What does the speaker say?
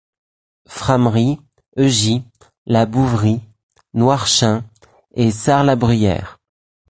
Frameries, Eugies, La Bouverie, Noirchain et Sars-la-Bruyère.